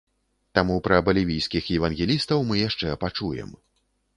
Таму пра балівійскіх евангелістаў мы яшчэ пачуем.